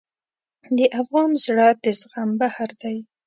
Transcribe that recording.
د افغان زړه د زغم بحر دی.